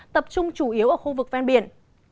tập trung chủ yếu ở khu vực ven biển